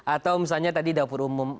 atau misalnya tadi dapur umum